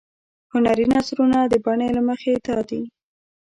هنري نثرونه د بڼې له مخې دادي.